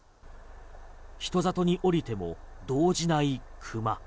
人里に下りても動じないクマ。